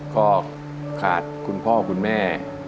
ก็ขาดคุณพ่อคุณแม่